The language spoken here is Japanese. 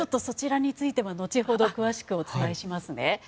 そちらについては後ほど、詳しくお伝えしますね。